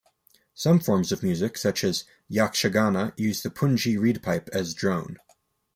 Some forms of music such as Yakshagana used the pungi reedpipe as drone.